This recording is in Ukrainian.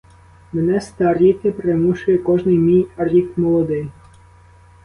Мене старіти примушує кожний мій рік молодий.